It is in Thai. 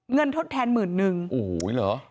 เงินทดแทน๑๑๐๐๐บาท